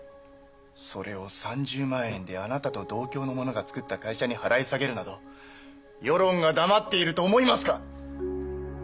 それを３０万円であなたと同郷の者が作った会社に払い下げるなど世論が黙っていると思いますか！